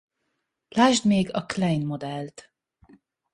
Lásd még a Klein-modellt.